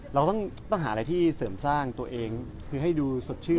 เราต้องหาอะไรที่เสริมสร้างตัวเองคือให้ดูสดชื่น